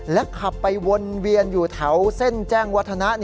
ขับไปวนเวียนอยู่แถวเส้นแจ้งวัฒนะ